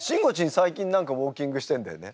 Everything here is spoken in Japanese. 最近何かウォーキングしてんだよね？